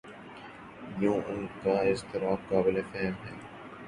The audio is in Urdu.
یوں ان کا اضطراب قابل فہم ہے۔